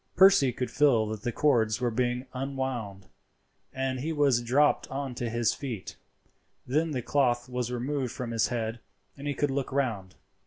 Percy could feel that the cords were being unwound, and he was dropped on to his feet; then the cloth was removed from his head, and he could look round.